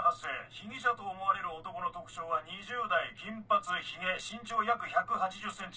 被疑者と思われる男の特徴は２０代金髪ヒゲ身長約１８０ｃｍ。